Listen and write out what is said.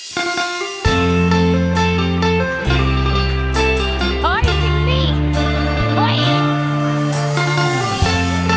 สบายหายห่วงละ